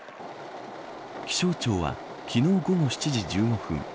気象庁は昨日、午後７時１５分